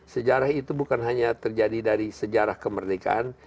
sejarah itu bukan hanya terjadi dari sejarah kemerdekaan